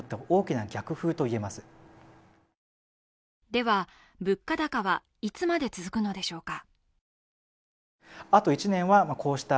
では、物価高はいつまで続くのでしょうか。